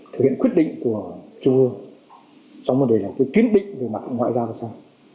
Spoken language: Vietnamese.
thực hiện quyết định của chùa trong vấn đề là quyết định về mặt ngoại giao và sao